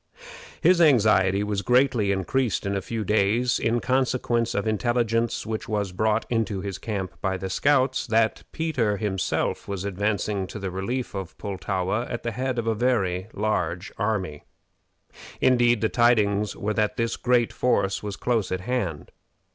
His anxiety was greatly increased in a few days in consequence of intelligence which was brought into his camp by the scouts, that Peter himself was advancing to the relief of Pultowa at the head of a very large army. Indeed, the tidings were that this great force was close at hand.